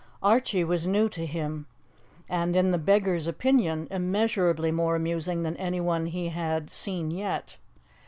Archie was new to him, and, in the beggar's opinion, immeasurably more amusing than anyone he had seen yet.